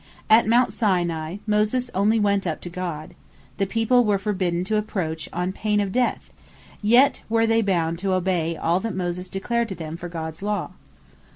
At Mount Sinai Moses only went up to God; the people were forbidden to approach on paine of death; yet were they bound to obey all that Moses declared to them for Gods Law.